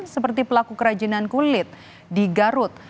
seperti pelaku kerajinan kulit di garut